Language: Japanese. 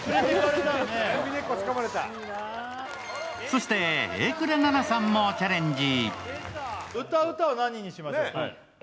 そして榮倉奈々さんもチャレンジ。